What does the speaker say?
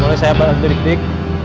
boleh saya balik sedikit